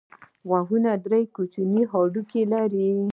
غوږ درې کوچني هډوکي لري.